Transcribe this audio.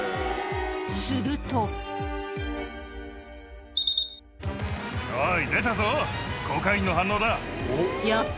するとおい。